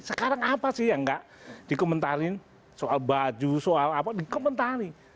sekarang apa sih yang gak dikomentarin soal baju soal apa dikomentari